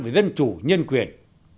về dân chủ nhân quyền